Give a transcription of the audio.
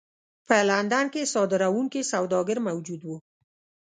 په لندن کې صادروونکي سوداګر موجود وو.